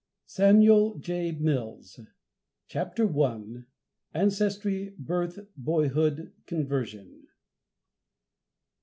SAMUEL J. MILLS. CHAPTER I. ANCESTRY BIRTH BOYHOOD CONVERSION.